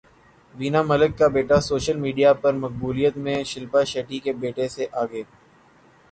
وینا ملک کا بیٹا social media پر مقبولیت میں شلپا شیٹھی کے بیٹے سے آگے